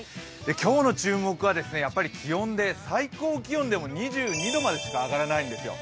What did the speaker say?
今日の注目は気温で最高気温でも２２度までしか上がらないんですよ。